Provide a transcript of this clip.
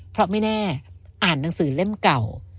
เพราะไม่แน่อ่านหนังสือเล่มเก่า